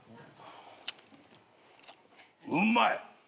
「うまい。